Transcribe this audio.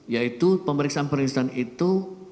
yaitu pemeriksaan pemeriksaan itu